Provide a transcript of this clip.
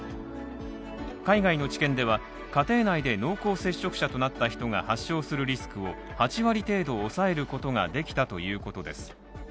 海外の治験では、家庭内で濃厚接触者となった人が発症するリスクを８割程度を抑えることができたということです。